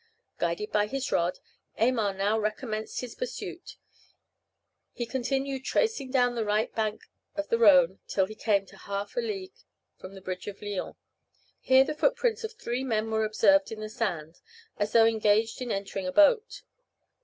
Guided by his rod, Aymar now recommenced his pursuit. He continued tracing down the right bank of the Rhone till he came to half a league from the bridge of Lyons. Here the footprints of three men were observed in the sand, as though engaged in entering a boat.